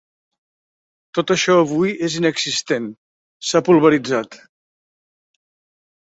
Tot això avui és inexistent, s’ha polvoritzat.